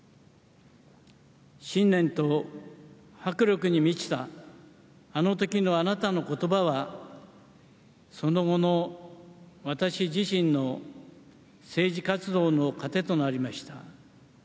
信念と迫力に満ちたあの時のあなたの言葉はその後の私自身の政治活動の糧となりました。